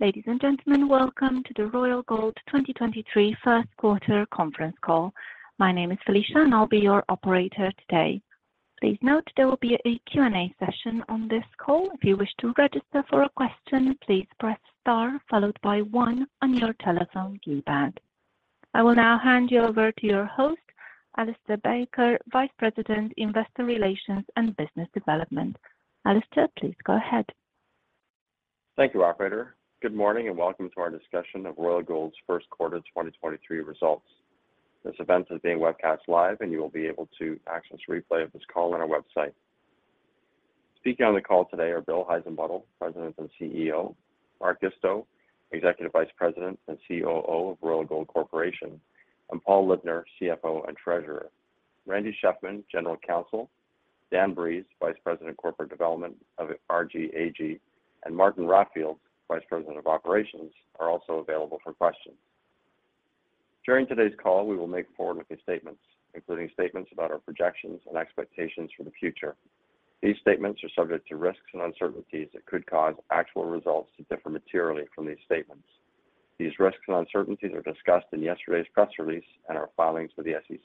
Ladies and gentlemen, welcome to the Royal Gold 2023 First Quarter Conference Call. My name is Felicia, and I'll be your operator today. Please note there will be a Q&A session on this call. If you wish to register for a question, please press star followed by one on your telephone keypad. I will now hand you over to your host, Alistair Baker, Vice President, Investor Relations and Business Development. Alistair, please go ahead. Thank you, operator. Good morning and welcome to our discussion of Royal Gold's First Quarter 2023 Results. This event is being webcast live. You will be able to access replay of this call on our website. Speaking on the call today are Bill Heissenbuttel, President and CEO, Mark Isto, Executive Vice President and COO of Royal Gold Corporation, and Paul Libner, CFO and Treasurer. Randy Shefman, General Counsel, Dan Breeze, Vice President Corporate Development of RGAG, and Martin Raffield, Vice President of Operations, are also available for questions. During today's call. We will make forward-looking statements, including statements about our projections and expectations for the future. These statements are subject to risks and uncertainties that could cause actual results to differ materially from these statements. These risks and uncertainties are discussed in yesterday's press release and our filings with the SEC.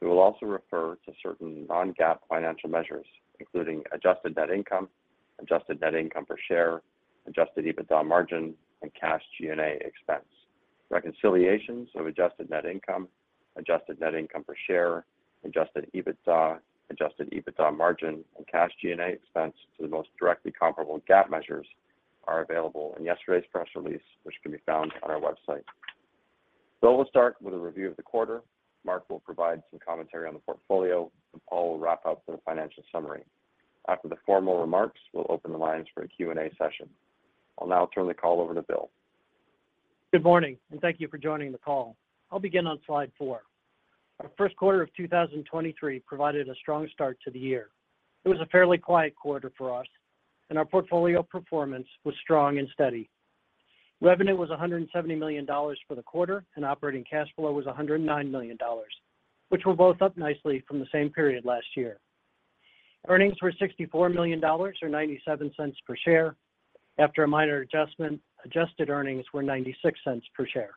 We will also refer to certain non-GAAP financial measures, including adjusted net income, adjusted net income per share, adjusted EBITDA margin, and cash G&A expense. Reconciliations of adjusted net income, adjusted net income per share, adjusted EBITDA, adjusted EBITDA margin, and cash G&A expense to the most directly comparable GAAP measures are available in yesterday's press release, which can be found on our website. Bill will start with a review of the quarter. Mark will provide some commentary on the portfolio. Paul will wrap up with a financial summary. After the formal remarks, we'll open the lines for a Q&A session. I'll now turn the call over to Bill. Good morning, thank you for joining the call. I'll begin on slide four. Our first quarter of 2023 provided a strong start to the year. It was a fairly quiet quarter for us, and our portfolio performance was strong and steady. Revenue was $170 million for the quarter, and operating cash flow was $109 million, which were both up nicely from the same period last year. Earnings were $64 million or $0.97 per share. After a minor adjustment, adjusted earnings were $0.96 per share.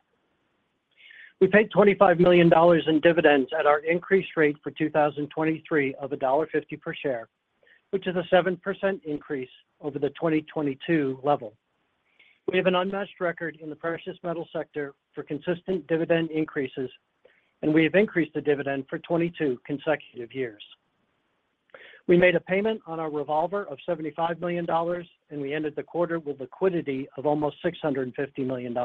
We paid $25 million in dividends at our increased rate for 2023 of $1.50 per share, which is a 7% increase over the 2022 level. We have an unmatched record in the precious metal sector for consistent dividend increases. We have increased the dividend for 22 consecutive years. We made a payment on our revolver of $75 million. We ended the quarter with liquidity of almost $650 million.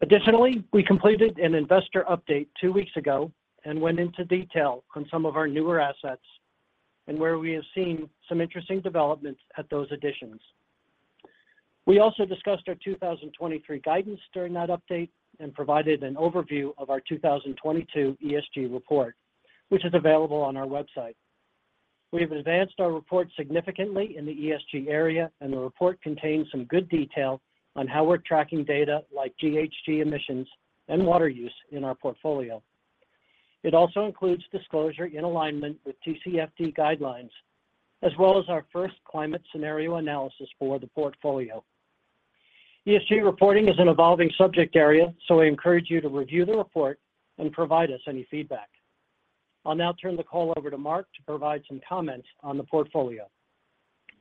Additionally, we completed an investor update two weeks ago and went into detail on some of our newer assets and where we have seen some interesting developments at those additions. We also discussed our 2023 guidance during that update and provided an overview of our 2022 ESG report, which is available on our website. We have advanced our report significantly in the ESG area. The report contains some good detail on how we're tracking data like GHG emissions and water use in our portfolio. It also includes disclosure in alignment with TCFD guidelines, as well as our first climate scenario analysis for the portfolio. ESG reporting is an evolving subject area. I encourage you to review the report and provide us any feedback. I'll now turn the call over to Mark to provide some comments on the portfolio.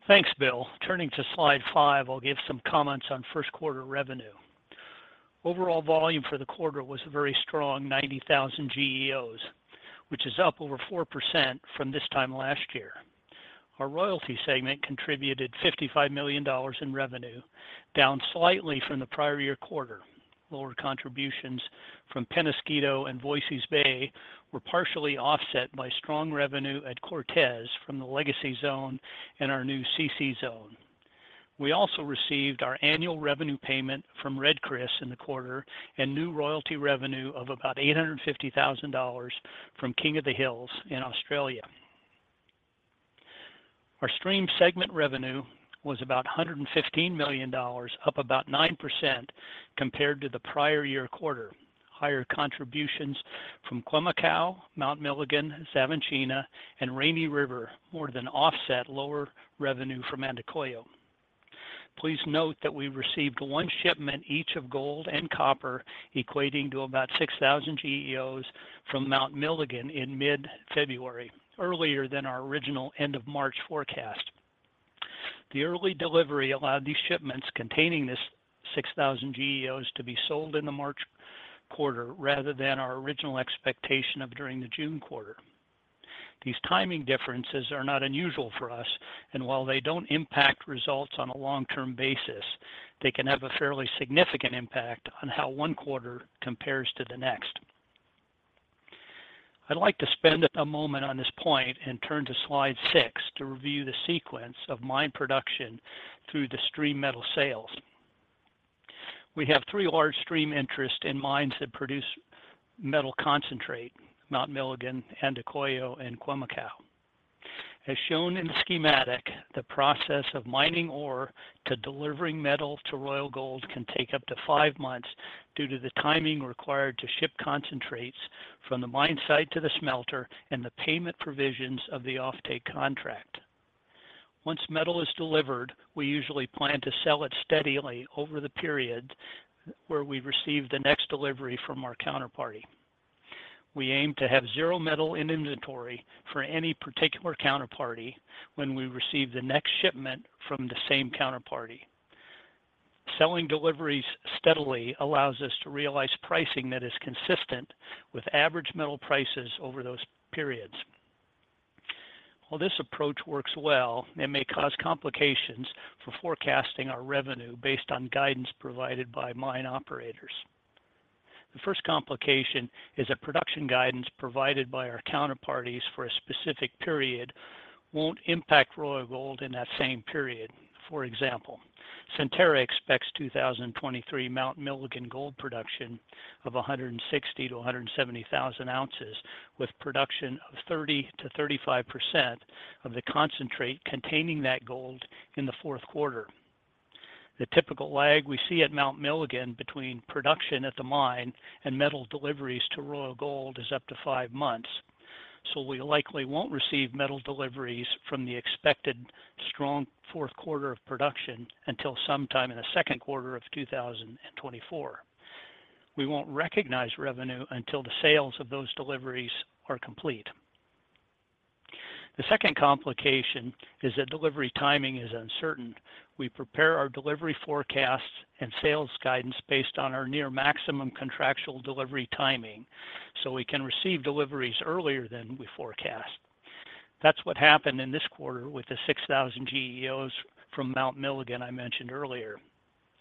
Thanks, Bill. Turning to slide five, I'll give some comments on first quarter revenue. Overall volume for the quarter was a very strong 90,000 GEOs, which is up over 4% from this time last year. Our royalty segment contributed $55 million in revenue, down slightly from the prior year quarter. Lower contributions from Peñasquito and Voisey's Bay were partially offset by strong revenue at Cortez from the Legacy Zone and our new CC Zone. We also received our annual revenue payment from Red Chris in the quarter and new royalty revenue of about $850,000 from King of the Hills in Australia. Our stream segment revenue was about $115 million, up about 9% compared to the prior year quarter. Higher contributions from Khoemacau, Mount Milligan, Xavantina, and Rainy River more than offset lower revenue from Andacollo. Please note that we received one shipment each of gold and copper, equating to about 6,000 GEOs from Mount Milligan in mid-February, earlier than our original end of March forecast. The early delivery allowed these shipments containing this 6,000 GEOs to be sold in the March quarter rather than our original expectation of during the June quarter. While these timing differences are not unusual for us, and they don't impact results on a long-term basis, they can have a fairly significant impact on how one quarter compares to the next. I'd like to spend a moment on this point and turn to slide six to review the sequence of mine production through the stream metal sales. We have three large stream interests in mines that produce metal concentrate: Mount Milligan, Andacollo, and Khoemacau. As shown in the schematic, the process of mining ore to delivering metal to Royal Gold can take up to five months due to the timing required to ship concentrates from the mine site to the smelter and the payment provisions of the offtake contract. Once metal is delivered, we usually plan to sell it steadily over the period where we receive the next delivery from our counterparty. We aim to have zero metal in inventory for any particular counterparty when we receive the next shipment from the same counterparty. Selling deliveries steadily allows us to realize pricing that is consistent with average metal prices over those periods. While this approach works well, it may cause complications for forecasting our revenue based on guidance provided by mine operators. The first complication is that production guidance provided by our counterparties for a specific period won't impact Royal Gold in that same period. For example, Centerra expects 2023 Mount Milligan gold production of 160,000-170,000 ounces, with production of 30%-35% of the concentrate containing that gold in the fourth quarter. The typical lag we see at Mount Milligan between production at the mine and metal deliveries to Royal Gold is up to five months. We likely won't receive metal deliveries from the expected strong fourth quarter of production until sometime in the second quarter of 2024. We won't recognize revenue until the sales of those deliveries are complete. The second complication is that delivery timing is uncertain. We prepare our delivery forecasts and sales guidance based on our near maximum contractual delivery timing. We can receive deliveries earlier than we forecast. That's what happened in this quarter with the 6,000 GEOs from Mount Milligan I mentioned earlier.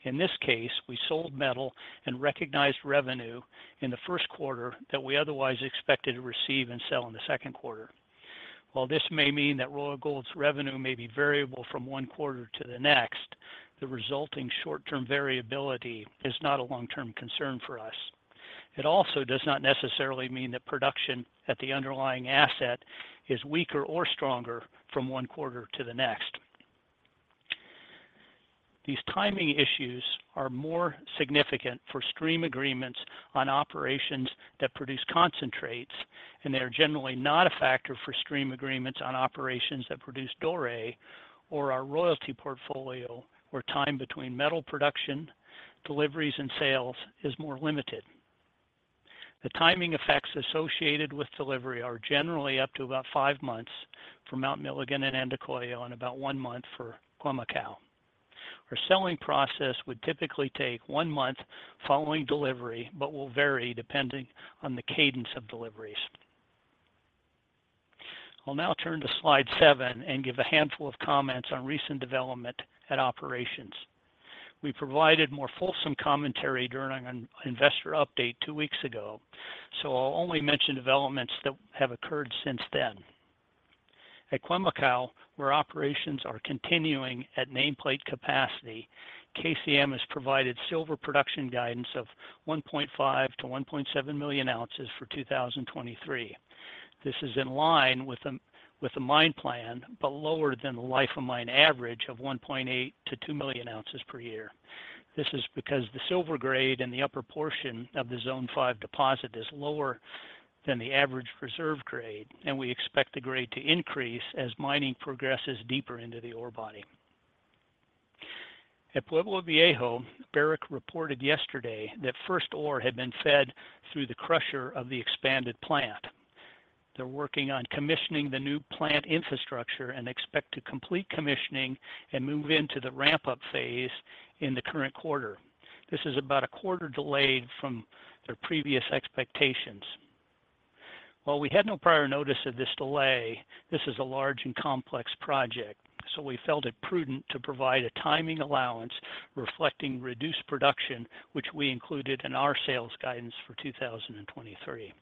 In this case, we sold metal and recognized revenue in the first quarter that we otherwise expected to receive and sell in the second quarter. While this may mean that Royal Gold's revenue may be variable from one quarter to the next, the resulting short-term variability is not a long-term concern for us. It also does not necessarily mean that production at the underlying asset is weaker or stronger from one quarter to the next. These timing issues are more significant for stream agreements on operations that produce concentrates. They are generally not a factor for stream agreements on operations that produce doré or our royalty portfolio, where time between metal production, deliveries, and sales is more limited. The timing effects associated with delivery are generally up to about five months for Mount Milligan and Andacollo and about one month for Khoemacau. Our selling process would typically take one month following delivery but will vary depending on the cadence of deliveries. I'll now turn to slide seven and give a handful of comments on recent development at operations. We provided more fulsome commentary during an investor update two weeks ago, so I'll only mention developments that have occurred since then. At Khoemacau, where operations are continuing at nameplate capacity, KCM has provided silver production guidance of 1.5 million-1.7 million ounces for 2023. This is in line with the mine plan, but lower than the life of mine average of 1.8 million-2 million ounces per year. This is because the silver grade in the upper portion of the zone five deposit is lower than the average reserve grade, and we expect the grade to increase as mining progresses deeper into the ore body. At Pueblo Viejo, Barrick reported yesterday that first ore had been fed through the crusher of the expanded plant. They're working on commissioning the new plant infrastructure and expect to complete commissioning and move into the ramp-up phase in the current quarter. This is about a quarter delayed from their previous expectations. While we had no prior notice of this delay, this is a large and complex project, so we felt it prudent to provide a timing allowance reflecting reduced production, which we included in our sales guidance for 2023.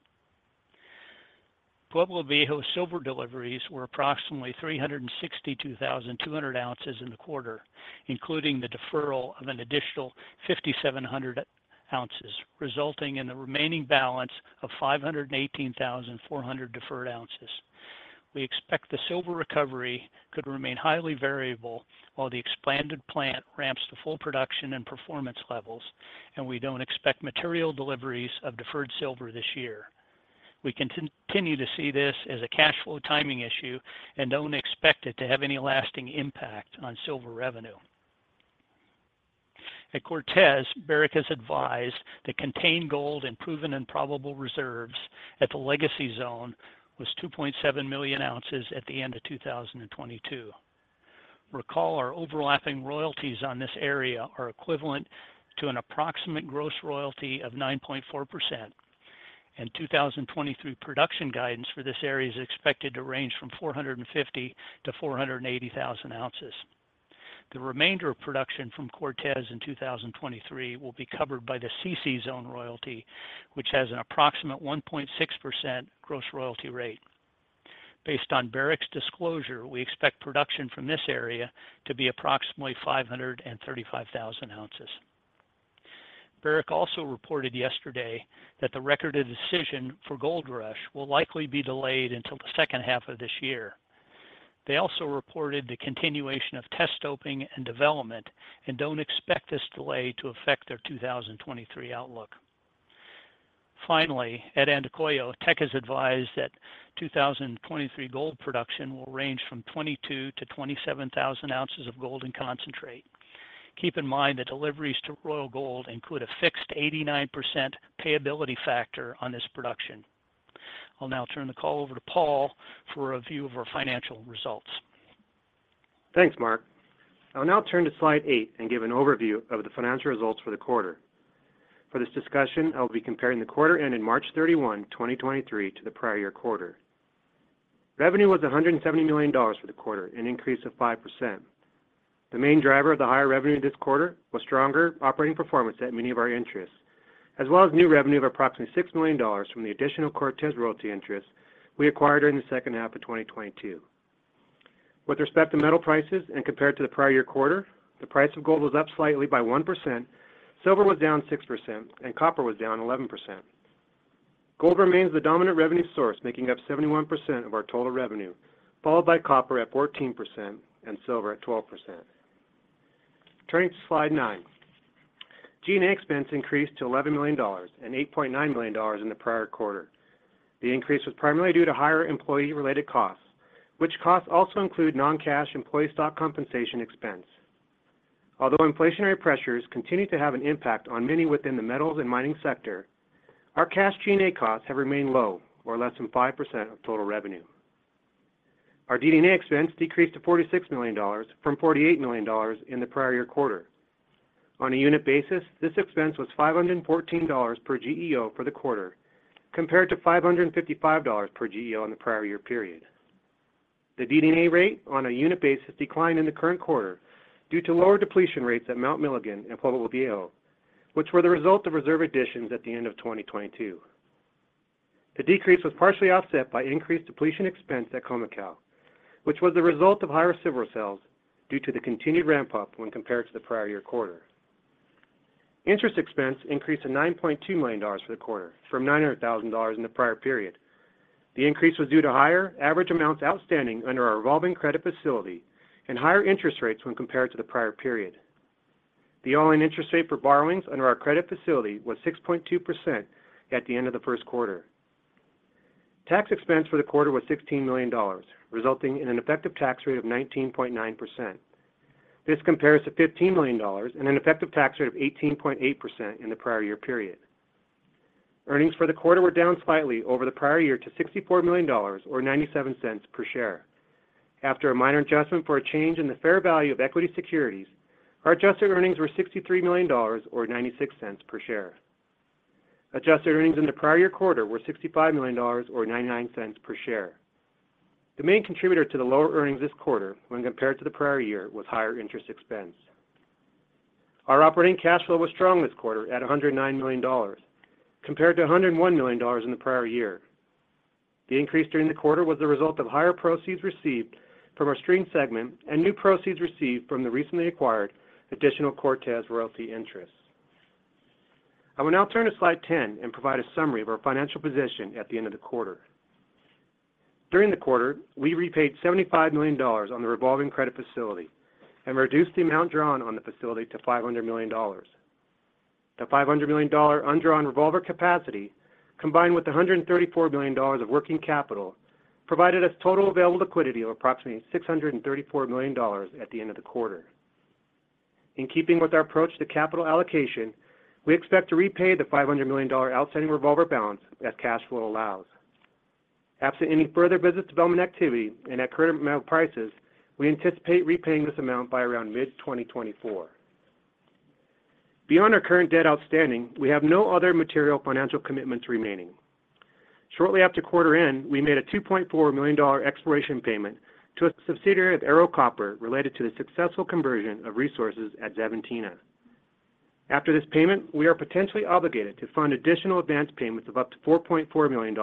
Pueblo Viejo silver deliveries were approximately 362,200 ounces in the quarter, including the deferral of an additional 5,700 ounces, resulting in a remaining balance of 518,400 deferred ounces. We expect the silver recovery could remain highly variable while the expanded plant ramps to full production and performance levels. We don't expect material deliveries of deferred silver this year. We continue to see this as a cash flow timing issue and don't expect it to have any lasting impact on silver revenue. At Cortez, Barrick has advised that contained gold and proven and probable reserves at the Legacy Zone was 2.7 million ounces at the end of 2022. Recall our overlapping royalties on this area are equivalent to an approximate gross royalty of 9.4%, and 2023 production guidance for this area is expected to range from 450,000-480,000 ounces. The remainder of production from Cortez in 2023 will be covered by the CC Zone royalty, which has an approximate 1.6% gross royalty rate. Based on Barrick's disclosure, we expect production from this area to be approximately 535,000 ounces. Barrick also reported yesterday that the Record of Decision for Gold Rush will likely be delayed until the second half of this year. They also reported the continuation of test stoping and development and don't expect this delay to affect their 2023 outlook. At Andacollo, Teck has advised that 2023 gold production will range from 22,000-27,000 ounces of gold and concentrate. Keep in mind that deliveries to Royal Gold include a fixed 89% payability factor on this production. I'll now turn the call over to Paul for a view of our financial results. Thanks, Mark. I'll now turn to slide 8 and give an overview of the financial results for the quarter. For this discussion, I'll be comparing the quarter ending March 31, 2023 to the prior year quarter. Revenue was $170 million for the quarter, an increase of 5%. The main driver of the higher revenue this quarter was stronger operating performance at many of our interests, as well as new revenue of approximately $6 million from the additional Cortez royalty interest we acquired during the second half of 2022. With respect to metal prices and compared to the prior year quarter, the price of gold was up slightly by 1%, silver was down 6%, and copper was down 11%. Gold remains the dominant revenue source, making up 71% of our total revenue, followed by copper at 14% and silver at 12%. Turning to slide nine, G&A expense increased to $11 million and $8.9 million in the prior quarter. The increase was primarily due to higher employee-related costs, which costs also include non-cash employee stock compensation expense. Although inflationary pressures continue to have an impact on many within the metals and mining sector, our cash G&A costs have remained low or less than 5% of total revenue. Our DD&A expense decreased to $46 million from $48 million in the prior year quarter. On a unit basis, this expense was $514 per GEO for the quarter, compared to $555 per GEO in the prior year period. The DD&A rate on a unit basis declined in the current quarter due to lower depletion rates at Mount Milligan and Pueblo Viejo, which were the result of reserve additions at the end of 2022. The decrease was partially offset by increased depletion expense at Khoemacau, which was the result of higher silver sales due to the continued ramp-up when compared to the prior year quarter. Interest expense increased to $9.2 million for the quarter, from $900,000 in the prior period. The increase was due to higher average amounts outstanding under our revolving credit facility and higher interest rates when compared to the prior period. The all-in interest rate for borrowings under our credit facility was 6.2% at the end of the first quarter. Tax expense for the quarter was $16 million, resulting in an effective tax rate of 19.9%. This compares to $15 million and an effective tax rate of 18.8% in the prior year period. Earnings for the quarter were down slightly over the prior year to $64 million or $0.97 per share. After a minor adjustment for a change in the fair value of equity securities, our adjusted earnings were $63 million or $0.96 per share. Adjusted earnings in the prior year quarter were $65 million or $0.99 per share. The main contributor to the lower earnings this quarter when compared to the prior year was higher interest expense. Our operating cash flow was strong this quarter at $109 million, compared to $101 million in the prior year. The increase during the quarter was the result of higher proceeds received from our stream segment and new proceeds received from the recently acquired additional Cortez royalty interest. I will now turn to slide 10 and provide a summary of our financial position at the end of the quarter. During the quarter, we repaid $75 million on the revolving credit facility and reduced the amount drawn on the facility to $500 million. The $500 million undrawn revolver capacity, combined with $134 million of working capital, provided us total available liquidity of approximately $634 million at the end of the quarter. In keeping with our approach to capital allocation, we expect to repay the $500 million outstanding revolver balance as cash flow allows. Absent any further business development activity and at current metal prices, we anticipate repaying this amount by around mid-2024. Beyond our current debt outstanding, we have no other material financial commitments remaining. Shortly after quarter end, we made a $2.4 million exploration payment to a subsidiary of Ero Copper related to the successful conversion of resources at Xavantina. After this payment, we are potentially obligated to fund additional advanced payments of up to $4.4 million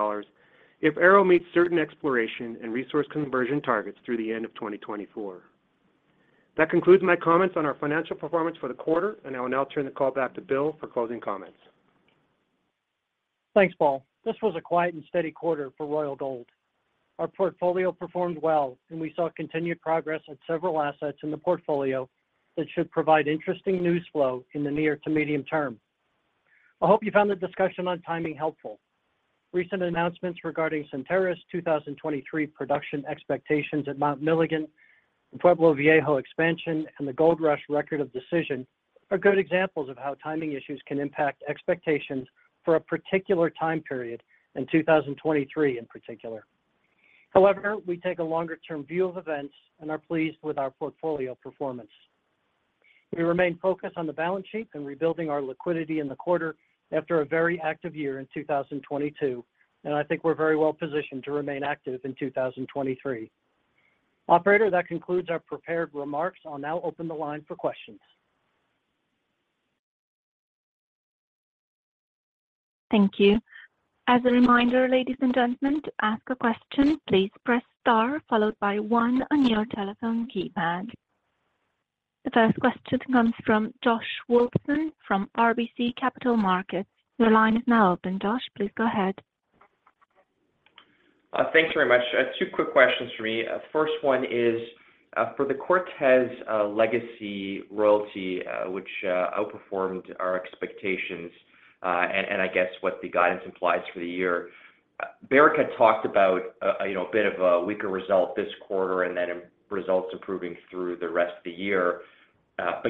if Ero meets certain exploration and resource conversion targets through the end of 2024. That concludes my comments on our financial performance for the quarter, and I will now turn the call back to Bill for closing comments. Thanks, Paul. This was a quiet and steady quarter for Royal Gold. Our portfolio performed well, and we saw continued progress at several assets in the portfolio that should provide interesting news flow in the near to medium term. I hope you found the discussion on timing helpful. Recent announcements regarding Centerra's 2023 production expectations at Mount Milligan, the Pueblo Viejo expansion, and the Gold Rush Record of Decision are good examples of how timing issues can impact expectations for a particular time period, in 2023 in particular. However, we take a longer-term view of events and are pleased with our portfolio performance. We remain focused on the balance sheet and rebuilding our liquidity in the quarter after a very active year in 2022, and I think we're very well positioned to remain active in 2023. Operator, that concludes our prepared remarks. I'll now open the line for questions. Thank you. As a reminder, ladies and gentlemen, to ask a question, please press star followed by one on your telephone keypad. The first question comes from Josh Wolfson from RBC Capital Markets. Your line is now open, Josh. Please go ahead. Thanks very much, two quick questions for me. 1st one is for the Cortez legacy royalty, which outperformed our expectations, and I guess what the guidance implies for the year, Barrick had talked about a, you know, a bit of a weaker result this quarter and then results improving through the rest of the year.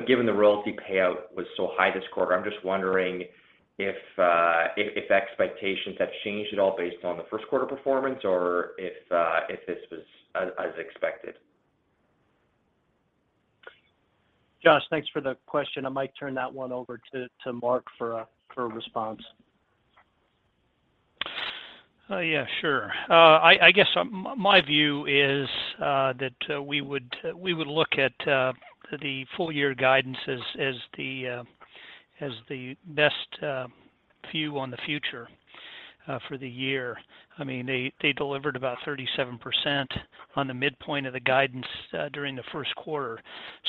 Given the royalty payout was so high this quarter, I'm just wondering if expectations have changed at all based on the first quarter performance or if this was as expected. Josh, thanks for the question. I might turn that one over to Mark for a response. Yeah, sure. I guess, my view is that we would look at the full year guidance as the best view on the future for the year. I mean, they delivered about 37% on the midpoint of the guidance during the first quarter.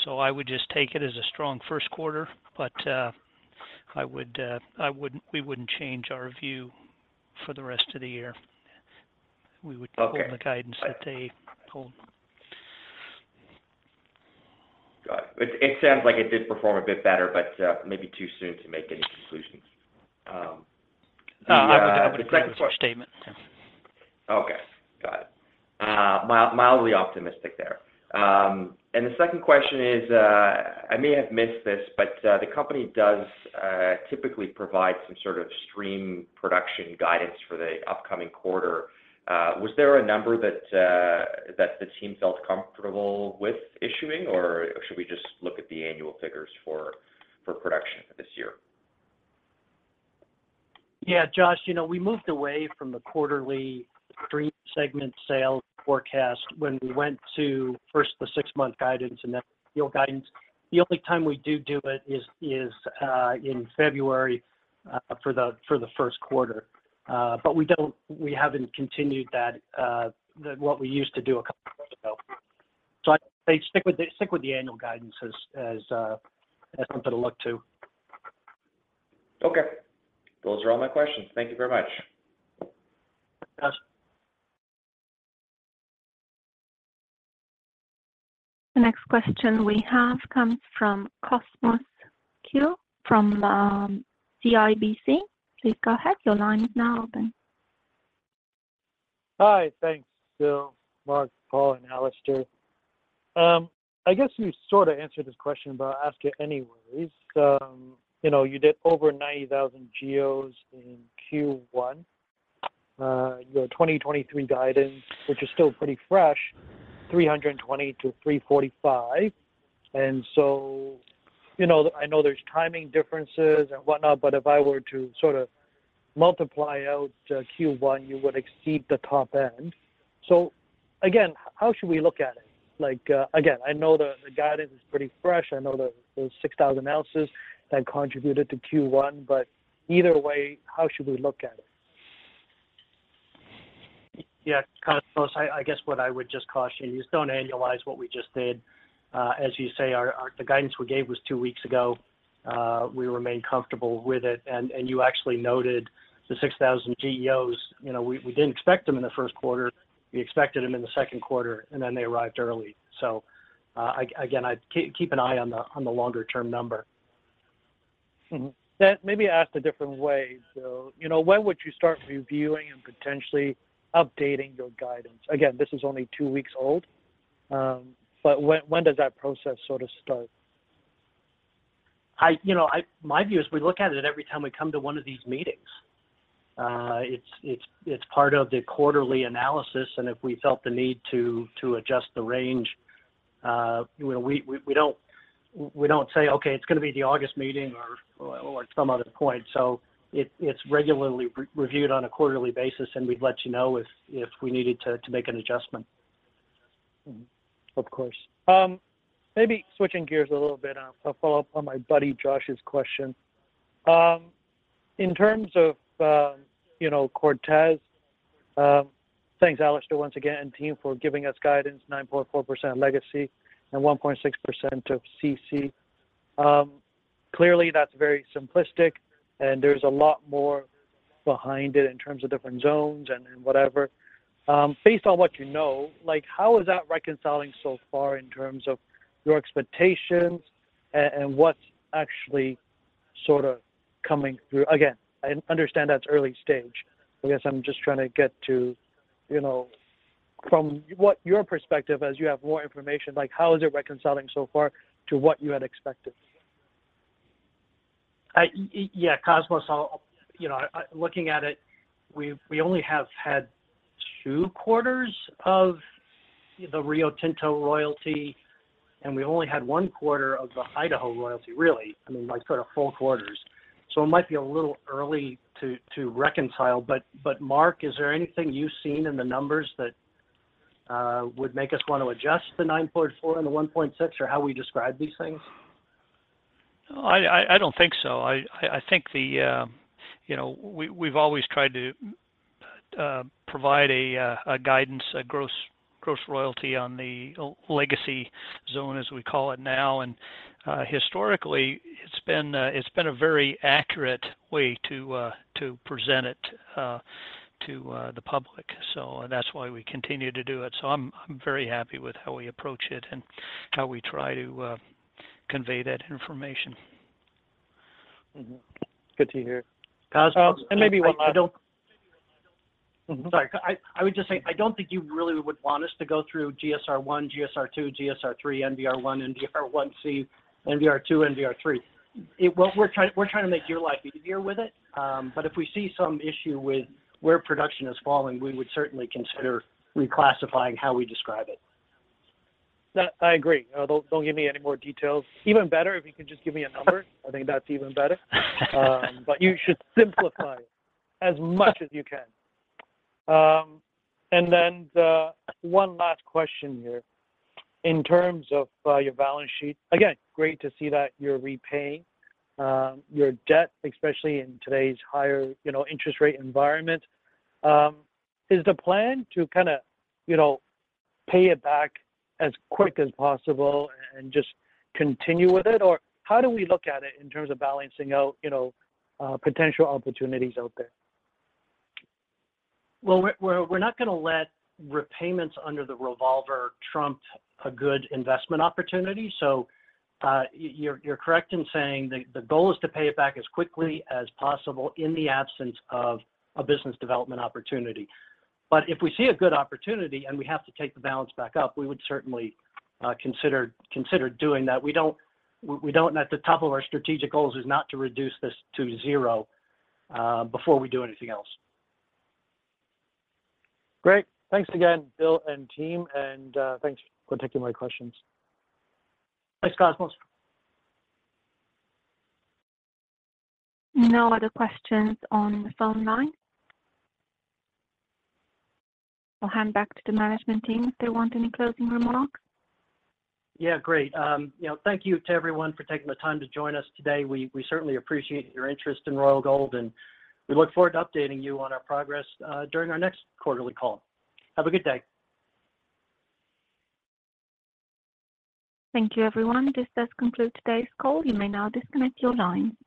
I would just take it as a strong first quarter. We wouldn't change our view for the rest of the year. Okay. Keep the guidance that they pulled. Got it. It sounds like it did perform a bit better but maybe too soon to make any conclusions. No, I would agree with your statement. Yeah. Okay. Got it. Mildly optimistic there. The second question is, I may have missed this, but the company does typically provide some sort of stream production guidance for the upcoming quarter. Was there a number that the team felt comfortable with issuing, or should we just look at the annual figures for production for this year? Yeah, Josh, you know, we moved away from the quarterly stream segment sales forecast when we went to first the six-month guidance and then annual guidance. The only time we do it is in February for the first quarter. We don't, we haven't continued what we used to do two years ago. I'd say stick with the annual guidance as something to look to. Okay. Those are all my questions. Thank you very much. Yes. The next question we have comes from Cosmos Chiu from CIBC. Please go ahead. Your line is now open. Hi. Thanks, Bill, Mark, Paul, and Alistair. I guess you sort of answered this question, but I'll ask it anyways. You know, you did over 90,000 GEOs in Q1. Your 2023 guidance, which is still pretty fresh, 320-345. I know there's timing differences and whatnot, but if I were to sort of multiply out Q1, you would exceed the top end. Again, how should we look at it? Like, again, I know the guidance is pretty fresh. I know the 6,000 ounces that contributed to Q1, but either way, how should we look at it? Cosmos, I guess what I would just caution you is don't annualize what we just did. As you say, our, the guidance we gave was two weeks ago. We remain comfortable with it. You actually noted the 6,000 GEOs. You know, we didn't expect them in the first quarter. We expected them in the second quarter, and then they arrived early. I'd keep an eye on the longer-term number. Maybe asked a different way, so, you know, when would you start reviewing and potentially updating your guidance? Again, this is only two weeks old, when does that process sort of start? You know, my view is we look at it every time we come to one of these meetings. It's part of the quarterly analysis, and if we felt the need to adjust the range, you know, we don't say, "Okay, it's gonna be the August meeting," or some other point. It's regularly re-reviewed on a quarterly basis, and we'd let you know if we needed to make an adjustment. Of course. Maybe switching gears a little bit, I'll follow up on my buddy Josh's question. In terms of, you know, Cortez, thanks, Alistair, once again, and team for giving us guidance, 9.4% legacy and 1.6% of CC. Clearly, that's very simplistic, and there's a lot more behind it in terms of different zones and whatever. Based on what you know, like, how is that reconciling so far in terms of your expectations and what's actually sort of coming through? Again, I understand that's early stage. I guess I'm just trying to get to what your perspective as you have more information, like, how is it reconciling so far to what you had expected? Yeah, Cosmos, you know, looking at it, we've, we only have had two quarters of the Rio Tinto royalty, and we only had 1 quarter of the Idaho Royalty, really. I mean, like, sort of full quarters. It might be a little early to reconcile. Mark, is there anything you've seen in the numbers that would make us want to adjust the 9.4 and the 1.6 or how we describe these things? I don't think so. I think the, you know, we've always tried to provide a guidance, a gross royalty on the legacy zone as we call it now. Historically, it's been a very accurate way to present it to the public. That's why we continue to do it. I'm very happy with how we approach it and how we try to convey that information. Mm-hmm. Good to hear. Cosmo, maybe one last- I don't. Mm-hmm. Sorry. I would just say, I don't think you really would want us to go through GSR-two, GSR-three, NBR-one, NBR-1C, NBR-two, NBR-three. We're trying to make your life easier with it. If we see some issue with where production is falling, we would certainly consider reclassifying how we describe it. That I agree. Don't give me any more details. Even better, if you could just give me a number, I think that's even better. But you should simplify as much as you can. Then the one last question here. In terms of your balance sheet, again, great to see that you're repaying your debt, especially in today's higher, you know, interest rate environment. Is the plan to kinda, you know, pay it back as quick as possible and just continue with it? Or how do we look at it in terms of balancing out, you know, potential opportunities out there? Well, we're not gonna let repayments under the revolver trump a good investment opportunity. You're correct in saying the goal is to pay it back as quickly as possible in the absence of a business development opportunity. But if we see a good opportunity and we have to take the balance back up, we would certainly consider doing that. We don't at the top of our strategic goals is not to reduce this to zero before we do anything else. Great. Thanks again, Bill and team, and thanks for taking my questions. Thanks, Cosmos. No other questions on the phone line. I'll hand back to the management team if they want any closing remarks. Yeah, great. you know, thank you to everyone for taking the time to join us today. We certainly appreciate your interest in Royal Gold, and we look forward to updating you on our progress during our next quarterly call. Have a good day. Thank you, everyone. This does conclude today's call. You may now disconnect your line.